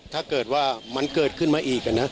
ถ้าเกิดว่ามันเกิดขึ้นมาอีกนะ